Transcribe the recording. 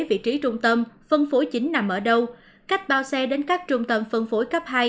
vị trí trung tâm phân phối chính nằm ở đâu cách bao xe đến các trung tâm phân phối cấp hai